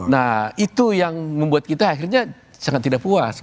nah itu yang membuat kita akhirnya sangat tidak puas